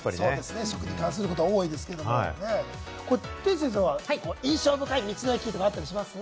食に関することが多いですけど、てぃ先生は印象深い道の駅あったりします？